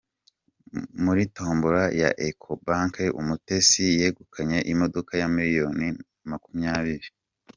Muri tombola ya ekobanke Umutesi yegukanye imodoka ya miliyoni makumyabiri